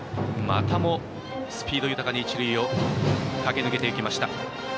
またもスピード豊かに一塁を駆け抜けていきました。